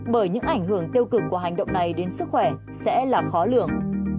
bởi những ảnh hưởng tiêu cực của hành động này đến sức khỏe sẽ là khó lường